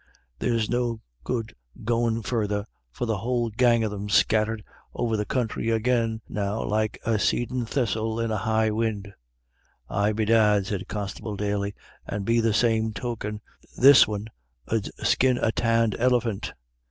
There's no good goin' further, for the whole gang of them's scattered over the counthry agin now like a seedin' thistle in a high win'." "Aye, bedad," said Constable Daly, "and be the same token, this win' ud skin a tanned elephant.